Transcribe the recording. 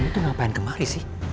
mereka tuh ngapain kemari sih